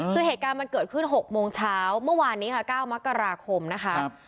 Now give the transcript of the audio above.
คือเหตุการณ์มันเกิดขึ้น๖โมงเช้าเมื่อวานนี้ค่ะ๙มกราคมนะคะ